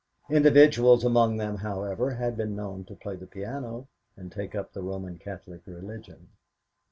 Individuals among them, however, had been known to play the piano, and take up the Roman Catholic religion.